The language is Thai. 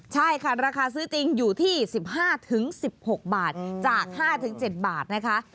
ใช่ค่ะราคาซื้อจริงอยู่ที่๑๕๑๖บาทจาก๕๗บาทนะคะ